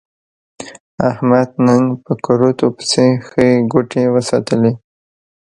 احمد نن په کورتو پسې ښې ګوتې و څټلې.